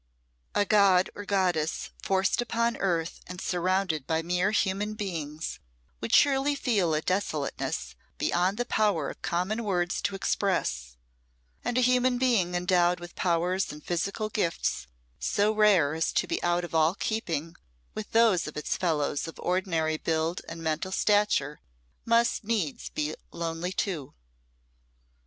A god or goddess forced upon earth and surrounded by mere human beings would surely feel a desolateness beyond the power of common words to express, and a human being endowed with powers and physical gifts so rare as to be out of all keeping with those of its fellows of ordinary build and mental stature must needs be lonely too.